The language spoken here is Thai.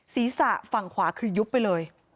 ศีรษะฝั่งขวาคือยุบไปเลย